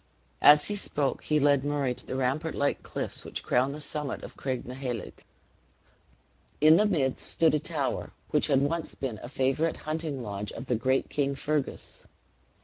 As he spoke, he led Murray to the rampart like cliffs which crown the summit of Craignacoheilg. In the midst stood a tower, which had once been a favorite hunting lodge of the great King Fergus.